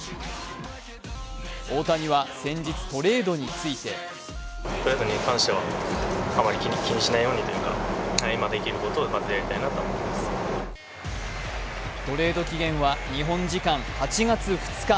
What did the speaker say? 大谷は先日、トレードについてトレード期限は日本時間８月２日。